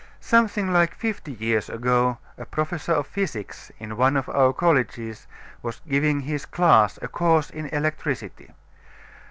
Something like fifty years ago a professor of physics in one of our colleges was giving his class a course in electricity.